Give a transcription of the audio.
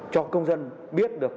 cho công dân biết được